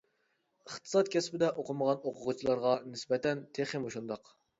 ئىقتىساد كەسپىدە ئوقۇمىغان ئوقۇغۇچىلارغا نىسبەتەن تېخىمۇ شۇنداق.